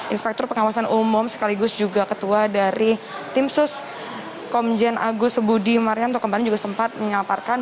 inspektur pengawasan umum sekaligus juga ketua dari tim sus komjen agus budi marianto kemarin juga sempat menyaparkan